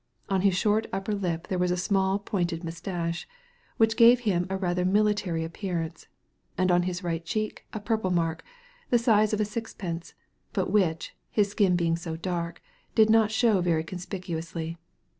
On his short upper lip there was a small pointed moustache, which gave him a rather military appearance, and on his right cheek a purple mark, the size of a sixpence, but which — his skin being so dark— did not show very conspicuously.